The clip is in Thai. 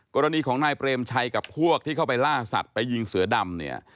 กรณีของนายเปรมชัยกับพวกที่เข้าไปล่าสัตว์ไปยิงเสือดำเนี่ย